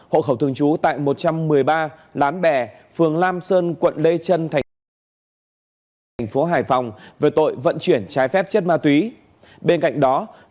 hộ khẩu thường trú tại một trăm một mươi ba lán bè phường lam sơn quận lê trân thành phố hà nội